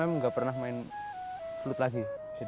emang gak pernah main flut lagi